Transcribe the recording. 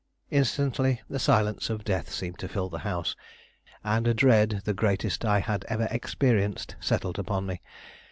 Instantly the silence of death seemed to fill the house, and a dread the greatest I had ever experienced settled upon me.